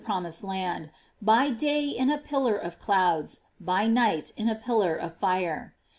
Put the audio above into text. promised land, by day in a pillar of clouds, by night in a pillar of fire.